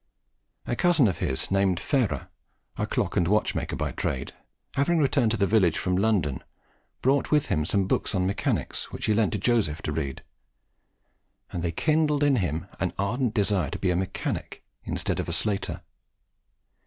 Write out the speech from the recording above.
A cousin of his named Farer, a clock and watchmaker by trade, having returned to the village from London, brought with him some books on mechanics, which he lent to Joseph to read; and they kindled in him an ardent desire to be a mechanic instead of a slater.